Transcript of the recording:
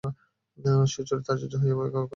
সুচরিতার আশ্চর্য হইবার কারণ ছিল।